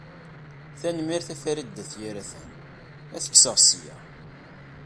Tanemmirt a Farid n At Yiraten, ad t-kkseɣ s ya.